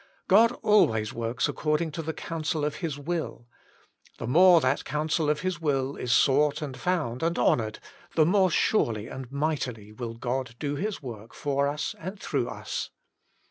God always works according to the counsel of His will ; the more that counsel of His will is sought and found and ho&OTueda WAITING ON GODt 77 the more surely and mightily will God do His work for us and through us.